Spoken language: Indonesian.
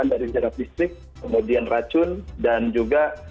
dari secara fisik kemudian racun dan juga